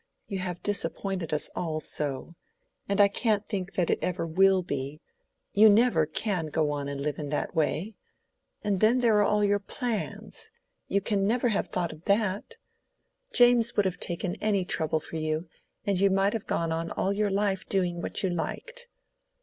"You have disappointed us all so. And I can't think that it ever will be—you never can go and live in that way. And then there are all your plans! You never can have thought of that. James would have taken any trouble for you, and you might have gone on all your life doing what you liked."